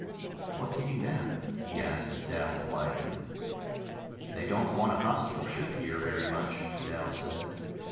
"What's eating them?" he asked Dal quietly. "They don't want a hospital ship here very much," Dal said.